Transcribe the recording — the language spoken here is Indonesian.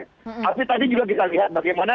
tapi tadi juga kita lihat bagaimana